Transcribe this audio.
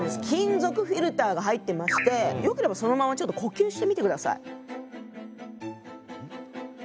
金属フィルターが入ってましてよければそのままちょっと呼吸してみて下さい。